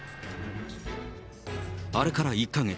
あれから１か月。